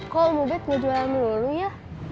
kok om obat gak jualan dulu ya